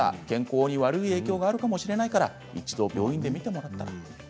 健康に悪い影響があるかもしれないから一度、病院で診てもらったら？